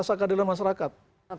rasa keadilan masyarakat